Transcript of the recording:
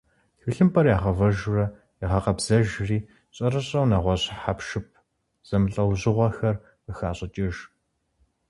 Тхылъымпӏэр ягъэвэжурэ ягъэкъэбзэжри, щӏэрыщӏэу нэгъуэщӏ хьэпшып зэмылӏэужьыгъуэхэр къыхащӏыкӏыж.